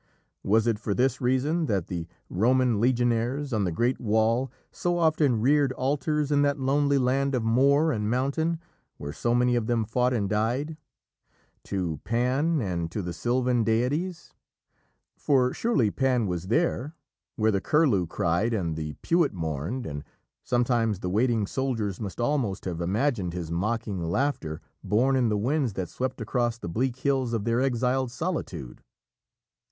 Was it for this reason that the Roman legionaries on the Great Wall so often reared altars in that lonely land of moor and mountain where so many of them fought and died "To Pan, and to the Sylvan deities"? For surely Pan was there, where the curlew cried and the pewit mourned, and sometimes the waiting soldiers must almost have imagined his mocking laughter borne in the winds that swept across the bleak hills of their exiled solitude.